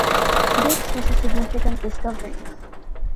This was a significant discovery.